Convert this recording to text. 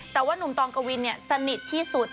แต่ว่านุ่มตองกวินสนิทที่สุด